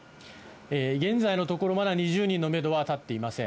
現在のところ、まだ２０人のメドは立っていません。